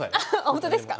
本当ですか！